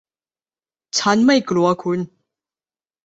ฉันไม่กลัวคุณ